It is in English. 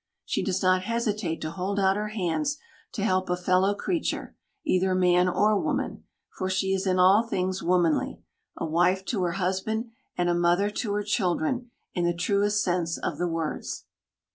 She does not hesitate to hold out her hands to help a fellow creature, either man or woman, for she is in all things womanly a wife to her husband and a mother to her children in the truest sense of the words.